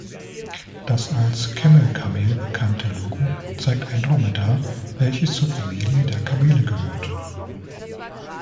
Das als Camel-Kamel bekannte Logo zeigt ein Dromedar, welches zur Familie der Kamele gehört.